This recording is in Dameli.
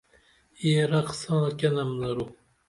یہ رخ ساں کیہ نم درو؟